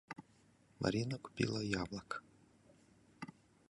Марина купила яблок.